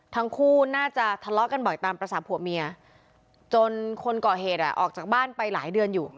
ทั้งคู่น่าจะทะเลาะกันบ่อยตามภาษาผัวเมียจนคนก่อเหตุออกจากบ้านไปหลายเดือนอยู่